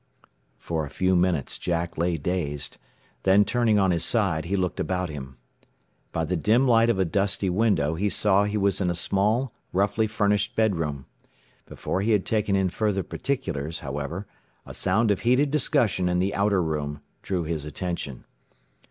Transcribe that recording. For a few minutes Jack lay dazed, then turning on his side, he looked about him. By the dim light of a dusty window he saw he was in a small, roughly furnished bedroom. Before he had taken in further particulars, however, a sound of heated discussion in the outer room drew his attention.